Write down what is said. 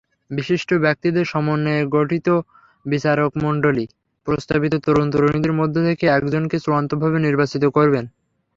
বিশিষ্ট ব্যক্তিদের সমন্বয়ে গঠিত বিচারকমণ্ডলী প্রস্তাবিত তরুণ-তরুণীদের মধ্য থেকে একজনকে চূড়ান্তভাবে নির্বাচিত করবেন।